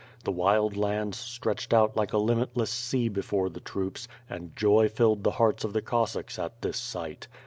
The Wild Lands ptretched out like a limitless sea before the troops and joy filled the hearts of the Cossacks at this sight.